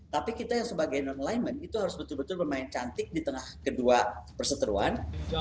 tapi kita yang sebagai non alignment itu harus betul betul bermain cantik di tengah kedua perseteruan